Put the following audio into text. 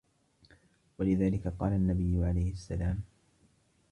وَلِذَلِكَ قَالَ النَّبِيُّ عَلَيْهِ السَّلَامُ